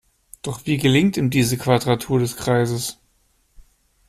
Doch wie gelingt ihm diese Quadratur des Kreises?